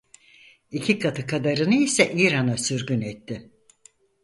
İki katı kadarını ise İran'a sürgün etti.